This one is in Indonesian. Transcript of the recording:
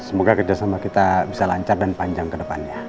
semoga kerjasama kita bisa lancar dan panjang ke depannya